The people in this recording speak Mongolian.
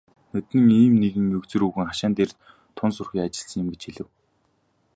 "Ноднин ийм нэг егзөр өвгөн хашаан дээр тун сүрхий ажилласан юм" гэж хэлэв.